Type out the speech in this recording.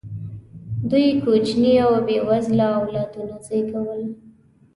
دوی کوچني او بې وزله اولادونه زېږول.